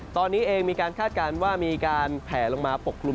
ตอนนี้เองมีการคาดการณ์ว่ามีการแผลลงมาปกกลุ่ม